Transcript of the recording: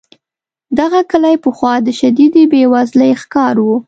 دغه کلی پخوا د شدیدې بې وزلۍ ښکار و.